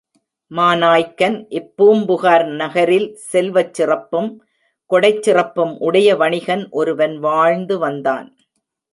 மாநாய்கன் இப்பூம்புகார் நகரில் செல்வச் சிறப்பும், கொடைச் சிறப்பும் உடைய வணிகன் ஒருவன் வாழ்ந்து வந்தான்.